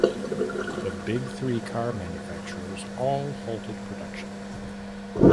The Big Three car manufacturers all halted production.